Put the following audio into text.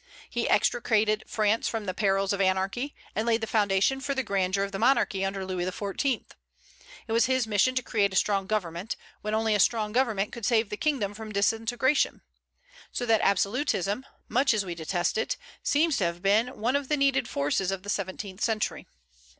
He extricated France from the perils of anarchy, and laid the foundation for the grandeur of the monarchy under Louis XIV. It was his mission to create a strong government, when only a strong government could save the kingdom from disintegration; so that absolutism, much as we detest it, seems to have been one of the needed forces of the seventeenth century.